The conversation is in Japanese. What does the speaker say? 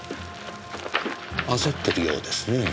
焦ってるようですねえ。